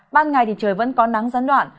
ban ngày thì trời vẫn có nắng gián đoạn